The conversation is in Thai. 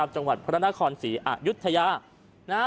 จังหวัดพระนาคอล๔อยุทยา